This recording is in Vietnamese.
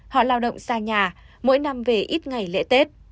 họ lao động xa nhà mỗi năm về ít ngày lễ tết